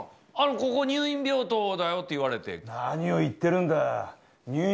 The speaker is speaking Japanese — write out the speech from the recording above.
ここ、入院病棟だよって言わ何を言ってるんだ。